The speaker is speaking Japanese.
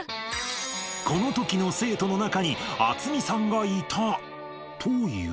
このときの生徒の中に渥美さんがいたという。